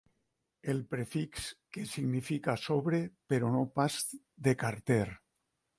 El prefix que significa sobre, però no pas de carter.